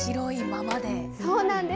そうなんです。